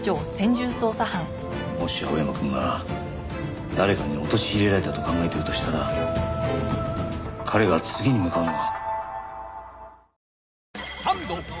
もし青山くんが誰かに陥れられたと考えているとしたら彼が次に向かうのは。